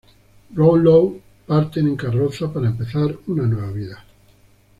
Brownlow parten en carroza para empezar una nueva vida.